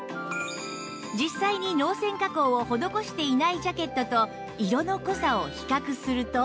実際に濃染加工を施していないジャケットと色の濃さを比較すると